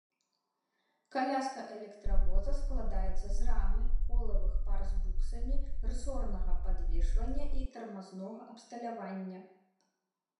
Каляска электравоза складаецца з рамы, колавых пар з буксамі, рысорнага падвешвання і тармазнога абсталявання.